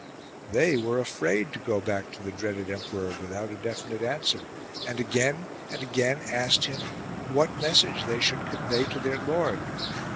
They were afraid to go back to the dreaded emperor without a definite answer, and again and again asked him what message they should convey to their lord.